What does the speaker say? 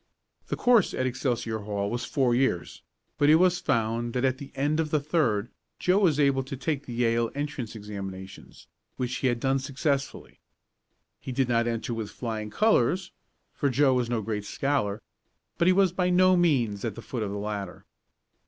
The course at Excelsior Hall was four years, but it was found that at the end of the third Joe was able to take the Yale entrance examinations, which he had done successfully. He did not enter with flying colors, for Joe was no great scholar, but he was by no means at the foot of the ladder.